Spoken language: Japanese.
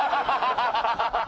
アハハハ！